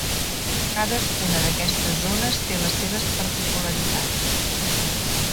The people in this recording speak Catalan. Cadascuna d'aquestes zones té les seves particularitats.